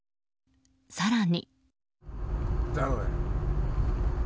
更に。